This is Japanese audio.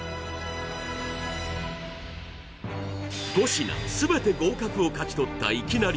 ５品全て合格を勝ち取ったいきなり！